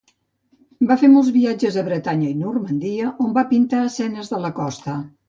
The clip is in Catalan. Va fer molts viatges a Bretanya i Normandia, on va pintar escenes de la costa.